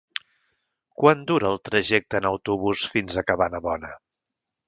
Quant dura el trajecte en autobús fins a Cabanabona?